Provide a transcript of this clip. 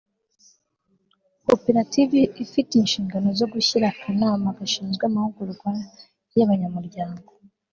koperative ifite inshingano zo gushyiraho akanama gashinzwe amahugurwa y'abanyamuryango